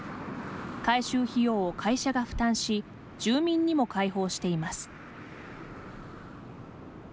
改修費用を会社が負担し住民にも開放しています。